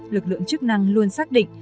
lực lượng chức năng luôn xác định